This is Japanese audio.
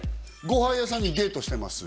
ご飯屋さんでデートしてます